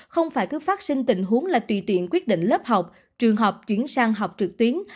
không phải cứ phát sinh tình huống là tùy tiện quyết định lớp học trường học chuyển sang học trực tuyến